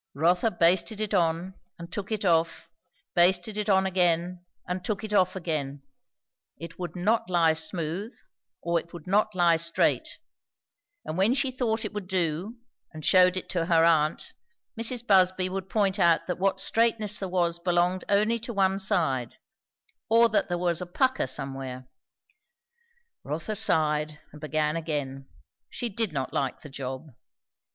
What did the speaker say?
Rotha basted it on, and took it off, basted it on again and took it off again; it would not lie smooth, or it would not lie straight; and when she thought it would do, and shewed it to her aunt, Mrs. Busby would point out that what straightness there was belonged only to one side, or that there was a pucker somewhere. Rotha sighed and began again. She did not like the job.